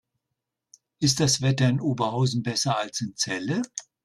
Ist das Wetter in Oberhausen besser als in Celle?